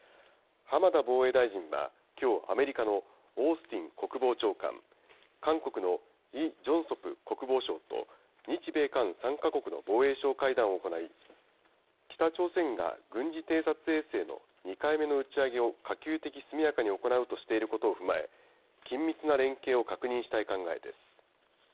浜田防衛大臣はきょう、アメリカのオースティン国防長官、韓国のイ・ジョンソプ国防相と、日米韓３か国の防衛相会談を行い、北朝鮮が軍事偵察衛星の２回目の打ち上げを可及的速やかに行うとしていることを踏まえ、緊密な連携を確認したい考えです。